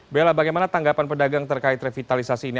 bella bagaimana tanggapan pedagang terkait revitalisasi ini